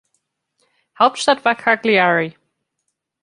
Hauptstadt war Cagliari.